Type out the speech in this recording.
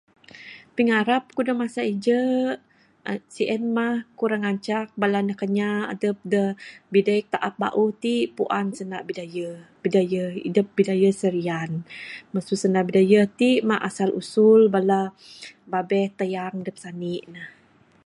Pingarap ku da masa ije sien mah ku ra ngancak bala anak inya bala adep ne bidayuh taap bauh ti puan sanda bidayuh bidayuh dep bidayuh serian masu sanda bidayuh ti mah asal usul bala babeh tayang adep sani ne